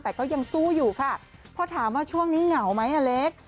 แต่ก็ยังสู้อยู่ค่ะพอถามว่าช่วงนี้เหงาไหมอเล็ก